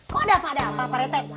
kok ada apa apa pak rete